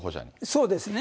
そうですね。